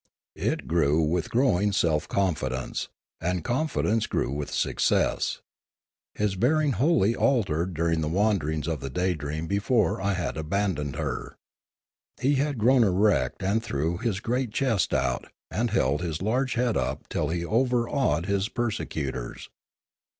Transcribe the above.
It grew with growing self confidence; and confidence grew with success. His bearing wholly altered during the wanderings of the Daydream before I had abandoned her. He had grown erect and threw his great chest out and held his large head up till he overawed his persecutors.